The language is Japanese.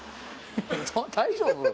大丈夫？